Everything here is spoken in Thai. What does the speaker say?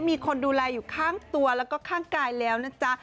มีคนดูแลอยู่ข้างตัวแล้วก็ข้างกายแล้วนะจ๊ะ